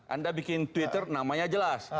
anda bikin twitter namanya jelas